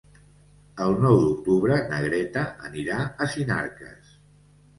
El nou d'octubre na Greta anirà a Sinarques.